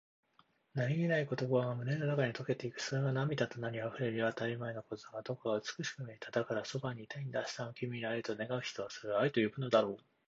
何気ない言葉が胸の中に溶けていく。それが涙となり、溢れるよ。当たり前のことがどこか美しく見えた。だから、そばにいたいんだ。明日も君に会えると願う、人はそれを愛と呼ぶのだろう。